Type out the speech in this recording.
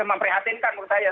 memprihatinkan menurut saya